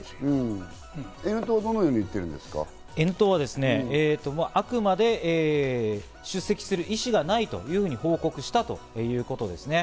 Ｎ党はあくまで、出席する意思がないというふうに報告したということですね。